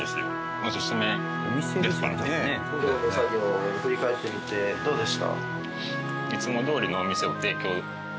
今日の作業を振り返ってみてどうでした？